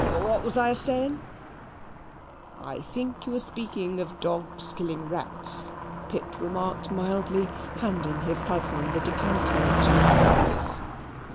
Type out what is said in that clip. What was I asaying?" "I think you were speaking of dogs killing rats," Pitt remarked mildly, handing his cousin the decanter to "buzz."